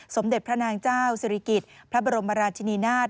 สมเด็จพระนางเจ้าศิริกิจพระบรมราชินีนาฏ